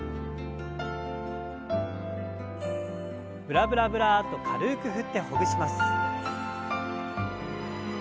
ブラブラブラッと軽く振ってほぐします。